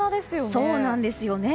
そうなんですよね。